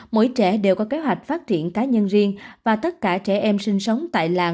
mỗi trẻ đều có kế hoạch phát triển cá nhân riêng và tất cả trẻ em sinh sống tại làng